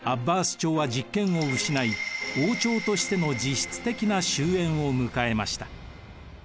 朝は実権を失い王朝としての実質的な終えんを迎えました。